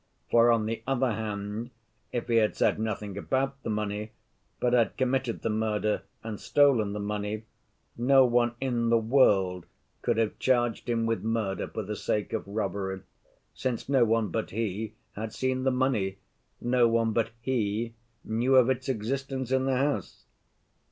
For, on the other hand, if he had said nothing about the money, but had committed the murder and stolen the money, no one in the world could have charged him with murder for the sake of robbery, since no one but he had seen the money, no one but he knew of its existence in the house.